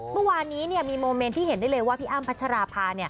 เมื่อวานนี้มีโมเมนต์ที่เห็นได้เลยว่าพี่อ้ำพัชราภา